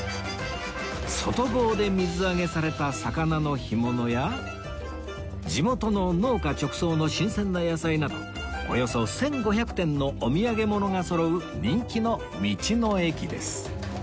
外房で水揚げされた魚の干物や地元の農家直送の新鮮な野菜などおよそ１５００点のお土産物がそろう人気の道の駅です